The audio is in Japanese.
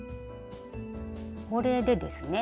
これでですね